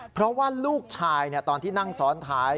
เพราะว่าลูกชายตอนที่นั่งซ้อนท้าย